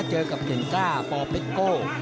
เจอกับเก่งกล้าปอเป็กโก้